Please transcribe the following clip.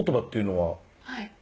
はい。